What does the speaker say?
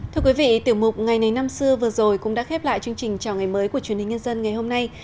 thưa quý vị tiểu mục ngày này năm xưa vừa rồi cũng đã khép lại chương trình chào ngày mới của truyền hình nhân dân ngày hôm nay